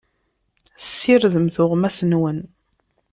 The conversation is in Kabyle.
Ssirdem tuɣmas-nwen.